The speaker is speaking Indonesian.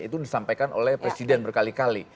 itu disampaikan oleh presiden berkali kali